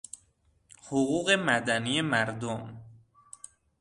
حقوق مدنی مردم